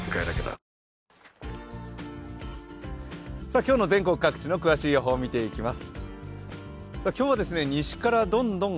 今日の全国各地の詳しい予報、見ていきます。